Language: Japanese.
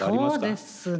そうですね。